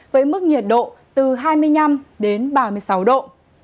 với mức nhiệt độ từ hai mươi năm đến ba mươi sáu độ